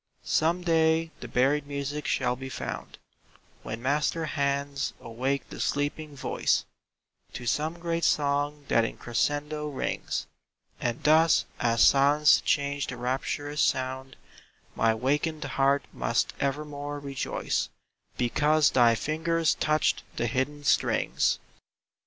Some day the buried music shall be found When master hands awake the sleeping voice To some great song that in crescendo rings ; And thus, as silence changed to rapturous sound, My wakened heart must evermore rejoice Because thy fingers touched the hidden strings.